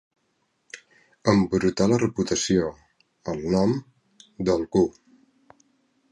Embrutar la reputació, el nom, d'algú.